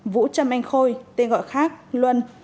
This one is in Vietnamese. vũ trâm anh khôi tên gọi khác là luân